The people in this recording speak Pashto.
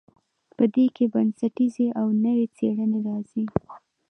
په دې کې بنسټیزې او نوې څیړنې راځي.